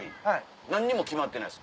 何にも決まってないです